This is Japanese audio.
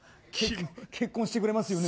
結婚してくれますよね。